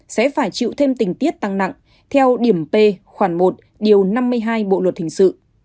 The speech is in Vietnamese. sẽ phải chịu thêm tình tiết tăng nặng theo điểm p khoảng một điều năm mươi hai bộ luật hình sự